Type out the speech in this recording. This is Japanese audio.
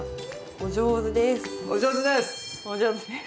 お上手です！